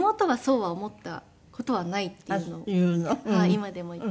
今でも言って。